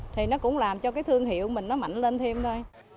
thì nó cũng làm cho cái thương hiệu mình nó mạnh lên thêm thôi